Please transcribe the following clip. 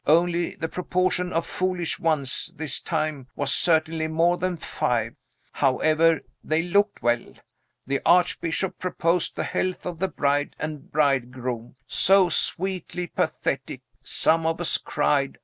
Only the proportion of foolish ones, this time, was certainly more than five. However, they looked well. The Archbishop proposed the health of the bride and bridegroom; so sweetly pathetic. Some of us cried.